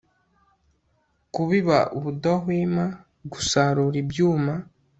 kubiba ubudahwema gusarura ibyuma